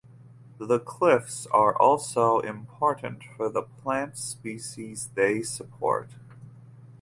The cliffs are also important for the plant species they support.